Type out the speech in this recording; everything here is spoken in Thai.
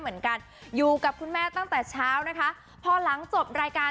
เหมือนกันอยู่กับคุณแม่ตั้งแต่เช้านะคะพอหลังจบรายการ